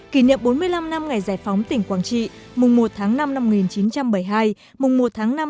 kỷ niệm bốn mươi năm năm ngày giải phóng tỉnh quảng trị mùng một tháng năm năm một nghìn chín trăm bảy mươi hai mùng một tháng năm năm hai nghìn một mươi bảy